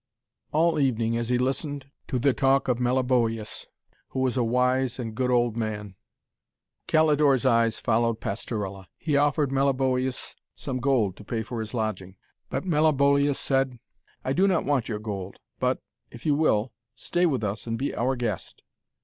All evening, as he listened to the talk of Meliboeus, who was a wise and good old man, Calidore's eyes followed Pastorella. He offered Meliboeus some gold to pay for his lodging, but Meliboeus said, 'I do not want your gold, but, if you will, stay with us and be our guest.'